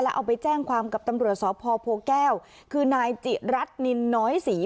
เอาไปแจ้งความกับตำรวจสพโพแก้วคือนายจิรัตนินน้อยศรี